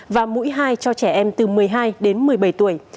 và mũi hai cho trẻ em từ một mươi hai đến một mươi bảy tuổi